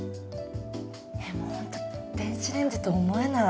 えもうほんと電子レンジと思えない。